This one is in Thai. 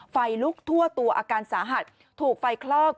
ไฟลุกทั่วตัวอาการสาหัสถูกไฟคลอก